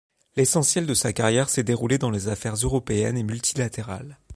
L’essentiel de sa carrière s’est déroulé dans les affaires européennes et multilatérales.